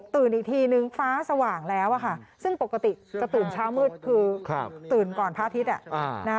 อีกทีนึงฟ้าสว่างแล้วค่ะซึ่งปกติจะตื่นเช้ามืดคือตื่นก่อนพระอาทิตย์